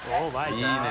いいね。